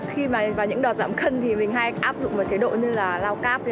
khi mà vào những đợt giảm cân thì mình hay áp dụng một chế độ như là lau cáp